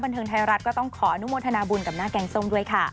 เทิงไทยรัฐก็ต้องขออนุโมทนาบุญกับหน้าแกงส้มด้วยค่ะ